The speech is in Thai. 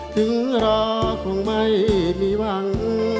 ถึงรอคงไม่มีหวัง